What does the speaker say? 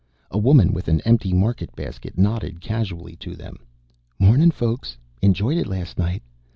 A woman, with an empty market basket, nodded casually to them. "Mornin', folks. Enjoyed it last night.